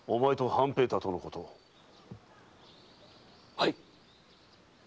はい！